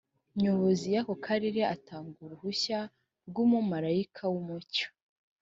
nyobozi y ako karere atanga uruhushya rwo umumarayika w umucyo